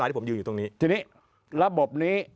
ทีนี้ระบบนี้